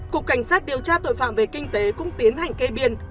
cục cảnh sát điều tra tội phạm về kinh tế cũng tiến hành kê biên